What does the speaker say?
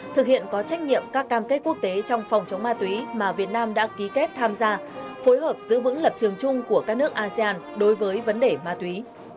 thực hiện có trách nhiệm các cam kết quốc tế trong phòng chống ma túy mà việt nam đã ký kết tham gia phối hợp giữ vững lập trường chung của các nước asean đối với vấn đề ma túy